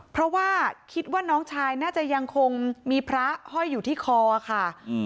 เพราะว่าคิดว่าน้องชายน่าจะยังคงมีพระห้อยอยู่ที่คอค่ะ